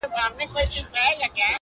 د قاف د شاپيرو اچيل دې غاړه کي زنگيږي،